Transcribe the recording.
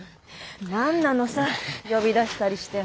何なのさ呼び出したりして。